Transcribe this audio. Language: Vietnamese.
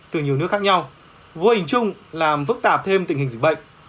từ nhiều nước khác nhau vô hình chung làm phức tạp thêm tình hình dịch bệnh